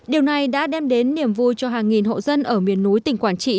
điều này đã đem đến niềm vui cho hàng nghìn hộ dân ở miền núi tỉnh quảng trị